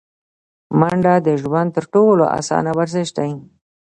منډه د ژوند تر ټولو اسانه ورزش دی